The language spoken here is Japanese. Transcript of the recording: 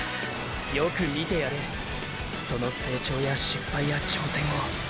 よく見てやれその成長や失敗や挑戦を。